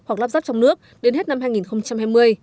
hoặc lắp ráp trong nước đến hết năm hai nghìn hai mươi